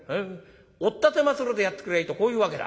おったてまつるでやってくりゃいいとこういうわけだ」。